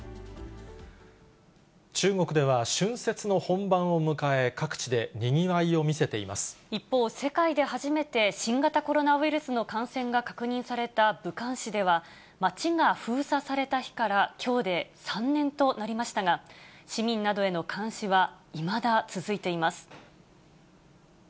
中国では春節の本番を迎え、一方、世界で初めて新型コロナウイルスの感染が確認された武漢市では、町が封鎖された日からきょうで３年となりましたが、市民などへの監視はいまだ続いています。